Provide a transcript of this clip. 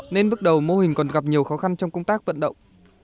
nên bước đầu mô hình còn gặp nhiều khó khăn trong công tác vận động